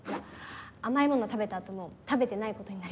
甘いもの食べた後も食べてないことになるやつ。